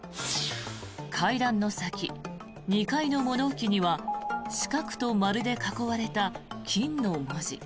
階段の先、２階の物置には四角と丸で囲われた「金」の文字。